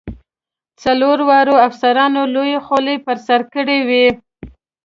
څلورو واړو افسرانو لویې خولۍ په سر کړې وې.